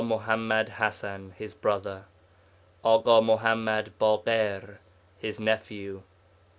Muḥammad Hasan, his brother. A. Muḥammad Baghir, his nephew.